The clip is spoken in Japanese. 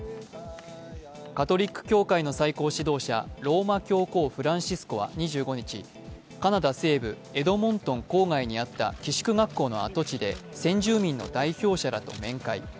カトリック教会の最高指導者、ローマ教皇フランシスコは２５日、カナダ西部エドモントン郊外にあった寄宿学校の跡地で先住民の代表者らと面会。